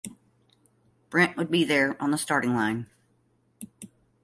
Brent would be there on the starting line.